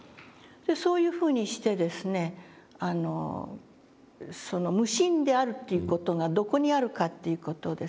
そういうふうにしてですねその無心であるという事がどこにあるかという事ですね。